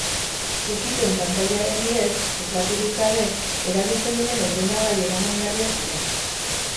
Ukipen-pantailaren bidez, teklaturik gabe, erabiltzen diren ordenagailu eramangarriak dira.